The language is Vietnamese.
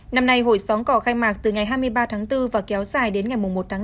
năm nay hội xóm cò khai mạc từ ngày hai mươi ba tháng bốn và kéo dài đến ngày một tháng năm